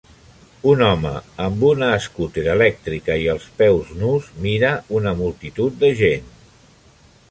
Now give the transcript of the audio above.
Un home amb una escúter elèctrica i els peus nus mira una multitud de gent.